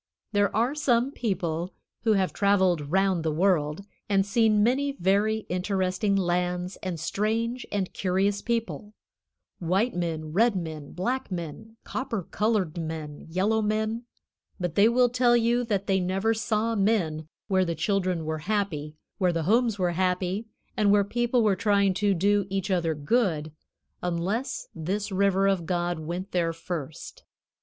There are some people who have traveled round the world and seen many very interesting lands and strange and curious people white men, red men, black men, copper colored men, yellow men, but they will tell you that they never saw men where the children were happy, where the homes were happy, and where people were trying to do each other good, unless this River of God went there first.